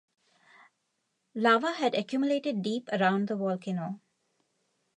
Lava had accumulated deep around the volcano.